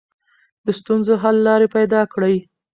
د ستونزو حل لارې پیدا کړئ.